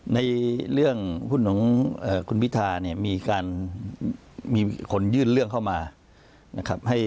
ในเรื่องหุ้นของคุณพิธาเนี่ยมีการมีคนยื่นเรื่องเข้ามานะครับ